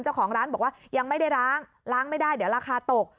เจ้าของร้านบอกว่ายังไม่ได้ล้างล้างไม่ได้เดี๋ยวราคาตก